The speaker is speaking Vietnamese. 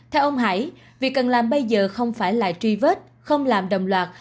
theo ông hải việc cần làm bây giờ không phải là truy vết không làm đồng loạt